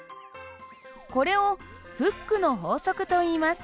これをフックの法則といいます。